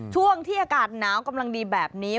ช่วงที่อากาศหนาวกำลังดีแบบนี้